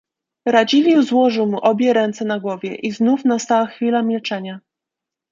"Radziwiłł złożył mu obie ręce na głowie i znów nastała chwila milczenia..."